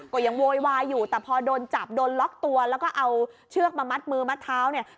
ก็ยังโวยวายอยู่แต่พอโดนจับโดนล็อกตัวแล้วก็เอาเชือกมามัดมือมัดเท้าเนี่ย